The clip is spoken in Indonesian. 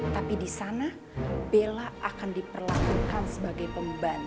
tapi disana bella akan diperlakukan sebagai pembantu